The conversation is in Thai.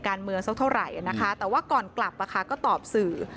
เมืองสักเท่าไหร่นะคะแต่ว่าก่อนกลับก็ตอบสื่อ